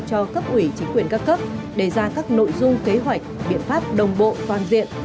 cho cấp ủy chính quyền các cấp đề ra các nội dung kế hoạch biện pháp đồng bộ toàn diện